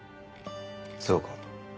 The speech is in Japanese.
そうか。